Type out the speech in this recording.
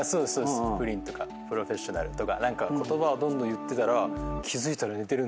「プリン」とか「プロフェッショナル」とか何か言葉をどんどん言ってたら。